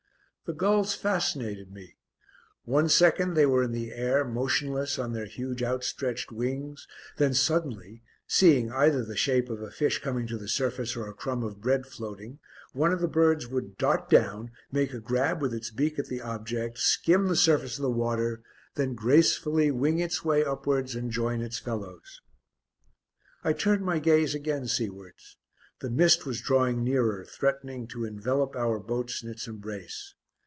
The gulls fascinated me; one second they were in the air motionless on their huge outstretched wings, then suddenly, seeing either the shape of a fish coming to the surface, or a crumb of bread floating, one of the birds would dart down, make a grab with its beak at the object, skim the surface of the water, then gracefully wing its way upwards and join its fellows. I turned my gaze again seawards: the mist was drawing nearer, threatening to envelop our boats in its embrace.